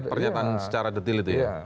pernyataan secara detil itu ya